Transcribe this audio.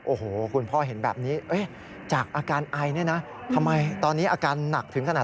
โอ้โหคุณพ่อเห็นแบบนี้จากอาการไอทำไมตอนนี้อาการหนักถึงกระหน่า